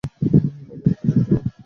মায়েদের মুখের দিকে তাকাও!